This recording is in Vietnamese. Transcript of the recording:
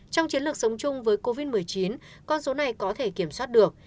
trong chiến lược sống chung với covid một mươi chín con số này có thể kiểm soát được